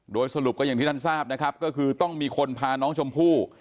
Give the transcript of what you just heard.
โดยสรุปก็อย่างที่ท่านทราบนะครับก็คือต้องมีคนพาน้องชมพู่